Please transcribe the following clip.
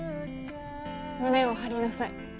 胸を張りなさい。